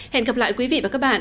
hẹn gặp lại quý vị và các bạn